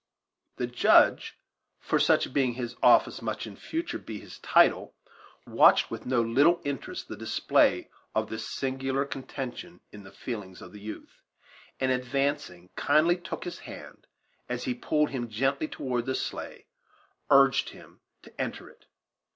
The Judge, for such being his office must in future be his title, watched with no little interest the display of this singular contention in the feelings of the youth; and, advancing, kindly took his hand, and, as he pulled him gently toward the sleigh, urged him to enter it.